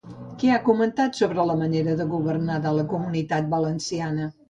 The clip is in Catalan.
Què ha comentat sobre la manera de governar de la Comunitat Valenciana?